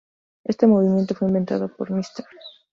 Este movimiento fue inventado por Mr.